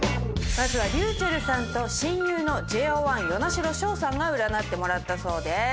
まずはｒｙｕｃｈｅｌｌさんと親友のＪＯ１與那城奨さんが占ってもらったそうです。